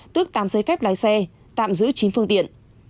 tước tám giấy phép lái xe tạm giữ chín phương tiện